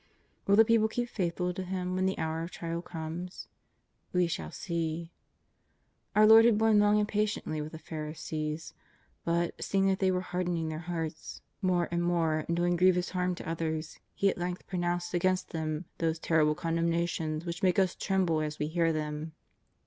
Will the people keep faithful to Him when the hour of trial comes ? We shall see. Our Lord had borne long and patiently with the Pharisees. But, seeing that they were hardening their JESUS OF NAZAEETH. 319 hearts more and more and doing grievous harm to others, He at length pronounced against them those ter rible condemnations which make us tremble as we hear them.